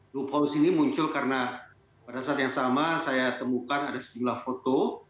loophouse ini muncul karena pada saat yang sama saya temukan ada sejumlah foto